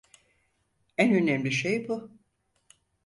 En önemli şey bu.